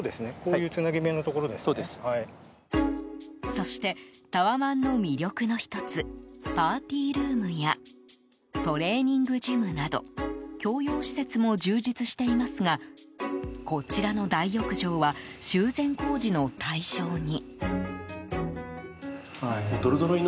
そして、タワマンの魅力の１つパーティールームやトレーニングジムなど共用施設も充実していますがこちらの大浴場は修繕工事の対象に。